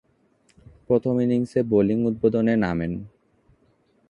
প্রথম ইনিংসে বোলিং উদ্বোধনে নামেন।